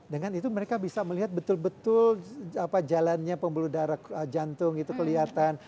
dengan itu mereka bisa melihat betul betul jalannya pembuluh darah jantung itu kelihatan